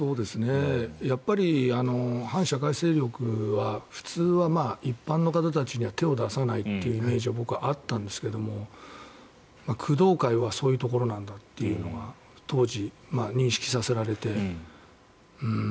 やっぱり反社会勢力は普通は一般の方たちには手を出さないというイメージが僕、あったんですけども工藤会はそういうところなんだっていうのが当時、認識させられて。